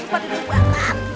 aku pada diupakan